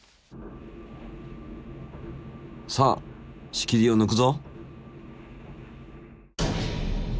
さあ仕切りをぬくぞ。